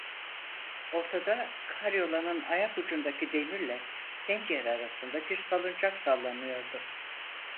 Ortada, karyolanın ayak ucundaki demirle pencere arasında, bir salıncak sallanıyordu.